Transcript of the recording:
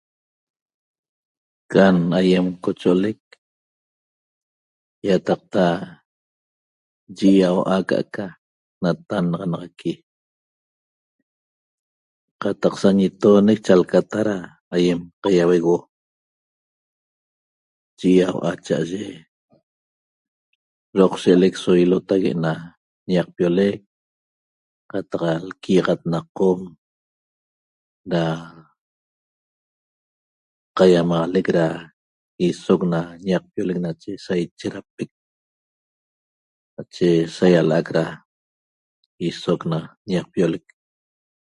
Can aýem cocho'olec ýataqta yi'iau'a aca'aca natannaxanaxaqui qataq sa ñitoonec chalcata da aýem qaiauegueuo yi'iaua'a cha'aye Doqshe'elec so ilotague' na ñaqpiolec qataq lquiaxat na Qom da qaiamaxalec da i'soc na ñaqpiolec nache sa i'chedapec nache sa ýala'ac da i'soc na ñaqpiolec